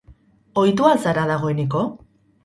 Ohitu al zara dagoeneko?